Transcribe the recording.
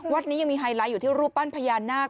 นี้ยังมีไฮไลท์อยู่ที่รูปปั้นพญานาค